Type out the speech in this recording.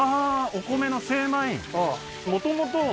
お米の精米？